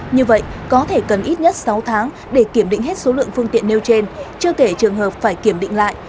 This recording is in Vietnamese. như vậy có thể cần ít nhất sáu tháng để kiểm định hết số lượng phương tiện nêu trên chưa kể trường hợp phải kiểm định lại